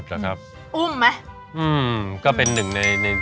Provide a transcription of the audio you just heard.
ได้มาเยอะมากพี่ต้อง